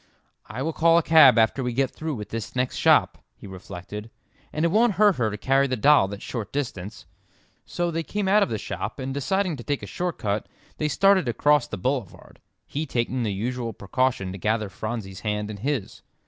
"I will call a cab after we get through with this next shop," he reflected, "and it won't hurt her to carry the doll that short distance." So they came out of the shop, and deciding to take a short cut, they started across the boulevard, he taking the usual precaution to gather Phronsie's hand in his.